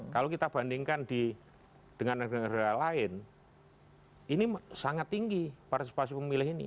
kalau kita bandingkan dengan negara negara lain ini sangat tinggi partisipasi pemilih ini